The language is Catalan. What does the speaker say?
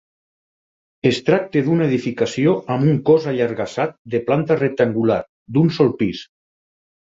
Es tracta d'una edificació amb un cos allargassat de planta rectangular, d'un sol pis.